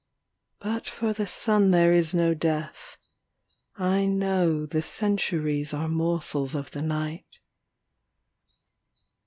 But for the sun there is no death. I know The centuries are morsels of the night.